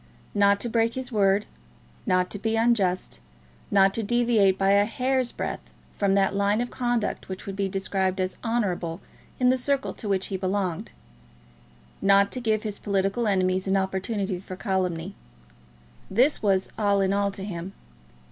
Not to break his word, not to be unjust, not to deviate by a hair's breadth from that line of conduct which would be described as "honourable" in the circle to which he belonged; not to give his political enemies an opportunity for calumny, this was all in all to him.